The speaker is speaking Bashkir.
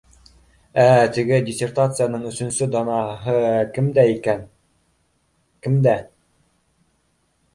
Ә теге диссертацияның өсөнсө данаһы кемдә икән? Кемдә?